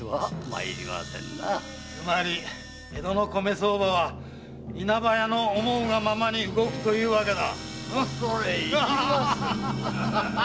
つまり江戸の米相場は稲葉屋の思うがままに動くというわけだ。